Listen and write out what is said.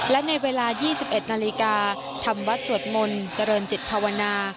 และในเวลา๒๑นาฬิกาทำวัดสวดมนต์เจริญจิตภาวนา